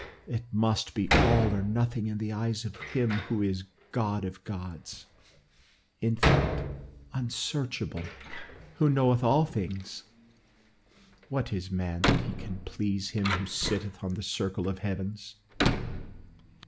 It must be all or nothing in the eyes of him who is God of gods, infinite, unsearchable, who knoweth all things. What is man that he can please him who sitteth on the circle of the heavens?"